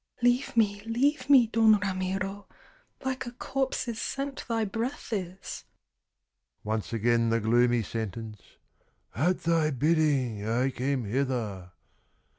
"Leave me, leave me, Don Ramiro! Like a corpse's scent thy breath is." Once again the gloomy sentence, "At thy bidding I came hither."